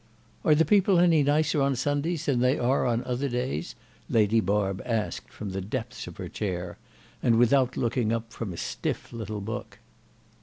"Are the people any nicer on Sundays than they are on other days?" Lady Barb asked from the depths of her chair and without looking up from a stiff little book.